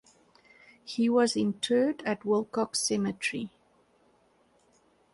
He was interred at Willcox Cemetery.